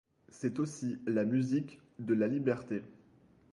C'est aussi la musique de la liberté.